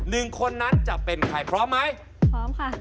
หนึ่งคนนั้นจะเป็นใครพร้อมไหม